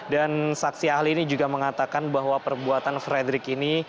dan saksi ahli ini juga mengatakan bahwa perbuatan fredrich ini